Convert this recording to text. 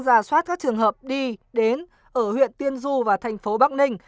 ra soát các trường hợp đi đến ở huyện tiên du và thành phố bắc ninh